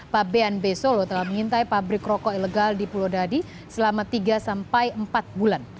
pabean b solo telah mengintai pabrik rokok ilegal di pulau dadi selama tiga sampai empat bulan